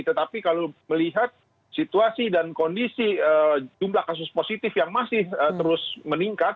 tetapi kalau melihat situasi dan kondisi jumlah kasus positif yang masih terus meningkat